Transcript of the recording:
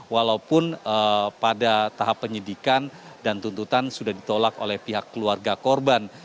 walaupun pada tahap penyidikan dan tuntutan sudah ditolak oleh pihak keluarga korban